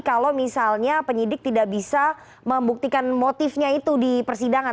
kalau misalnya penyidik tidak bisa membuktikan motifnya itu di persidangan